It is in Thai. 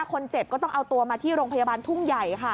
คนเจ็บก็ต้องเอาตัวมาที่โรงพยาบาลทุ่งใหญ่ค่ะ